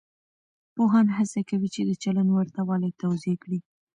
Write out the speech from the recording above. پوهان هڅه کوي چې د چلند ورته والی توضیح کړي.